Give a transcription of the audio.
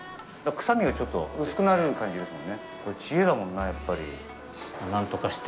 臭みがちょっと薄くなる感じですよね。